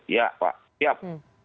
ya pak siap